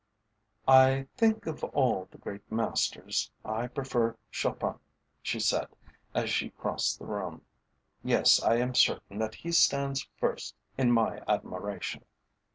"I think of all the great masters, I prefer Chopin," she said, as she crossed the room. "Yes, I am certain that he stands first in my admiration."